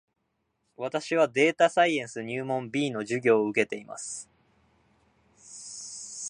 私はデータサイエンス入門 B の授業を受けています